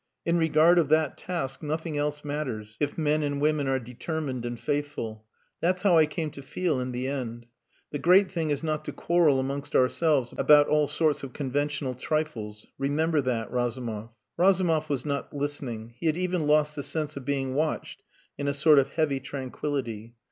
In regard of that task nothing else matters if men and women are determined and faithful. That's how I came to feel in the end. The great thing is not to quarrel amongst ourselves about all sorts of conventional trifles. Remember that, Razumov." Razumov was not listening. He had even lost the sense of being watched in a sort of heavy tranquillity.